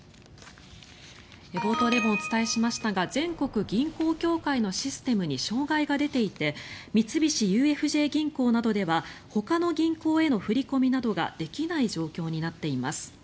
冒頭でもお伝えしましたが全国銀行協会のシステムに障害が出ていて三菱ＵＦＪ銀行などではほかの銀行への振り込みなどができない状況になっています。